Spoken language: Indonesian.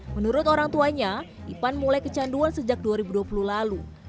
menurut orang tuanya ipan mulai kecanduan sejak dua ribu dua puluh lalu